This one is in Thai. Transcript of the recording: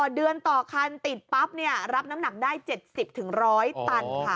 เดือนต่อคันติดปั๊บรับน้ำหนักได้๗๐๑๐๐ตันค่ะ